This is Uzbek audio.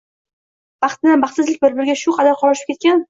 Baxt bilan baxtsizlik bir-biriga bu qadar qorishib ketgan?